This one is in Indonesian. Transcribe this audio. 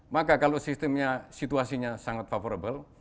maka kalau sistemnya situasinya sangat favorable